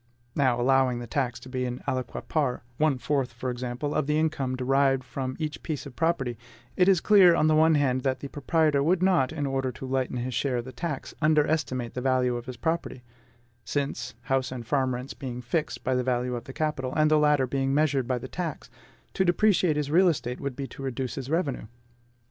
Now, allowing the tax to be an aliquot part one fourth for example of the income derived from each piece of property, it is clear on the one hand that the proprietor would not, in order to lighten his share of the tax, underestimate the value of his property; since, house and farm rents being fixed by the value of the capital, and the latter being measured by the tax, to depreciate his real estate would be to reduce his revenue.